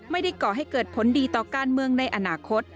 ก่อให้เกิดผลดีต่อการเมืองในอนาคต